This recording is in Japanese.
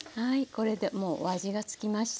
これでもうお味がつきました。